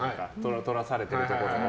とらされてるところを。